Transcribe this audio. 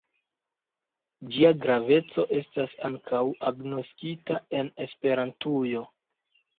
Ĝia graveco estas ankaŭ agnoskita en Esperantujo.